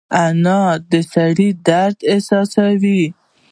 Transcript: انا د سړي درد احساسوي